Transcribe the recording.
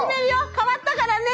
替わったからね。